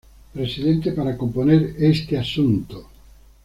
Presidente para componer este asunto.